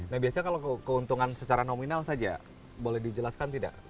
nah biasanya kalau keuntungan secara nominal saja boleh dijelaskan tidak